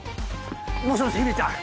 もしもし姫ちゃん？